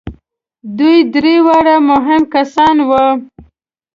دوی درې واړه مهم کسان وو.